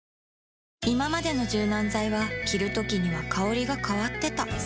いままでの柔軟剤は着るときには香りが変わってた